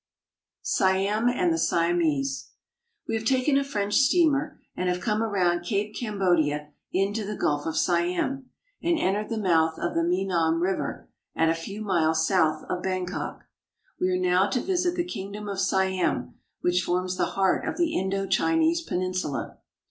SIAM AND THE SIAMESE WE have taken a French steamer and have come around Cape Cambodia into the Gulf of Siam, and entered the mouth of the Menam River at a few miles south of Bangkok. We are now to visit the Kingdom of Siam, which forms the heart of the Indo Chinese Peninsula.